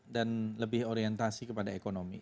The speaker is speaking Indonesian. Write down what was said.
dan lebih orientasi kepada ekonomi